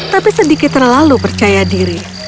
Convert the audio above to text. tapi sedikit terlalu percaya diri